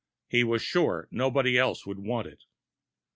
He was sure nobody else would want it.